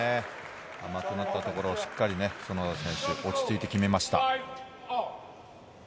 甘くなったところをしっかりと園田選手が落ち着いて決めました。